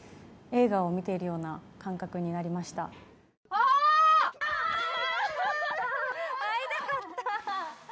あー、会いたかったー！